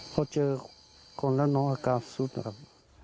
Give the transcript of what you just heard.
พอเจอคนแล้วน้องอาการสุดนะครับ